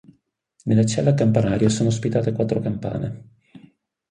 Nella cella campanaria sono ospitate quattro campane.